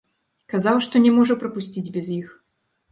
Казаў, што не можа прапусціць без іх.